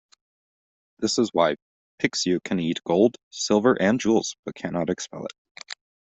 This is why Pixiu can eat gold, silver and jewels but cannot expel it.